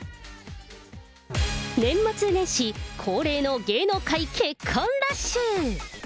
年末年始、恒例の芸能界結婚ラッシュ。